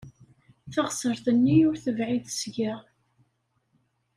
Taɣsert-nni ur tebɛid seg-a.